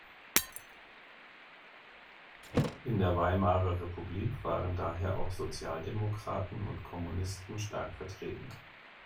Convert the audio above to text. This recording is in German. In der Weimarer Republik waren daher auch Sozialdemokraten und Kommunisten stark vertreten.